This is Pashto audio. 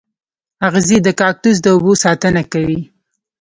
اغزي د کاکتوس د اوبو ساتنه کوي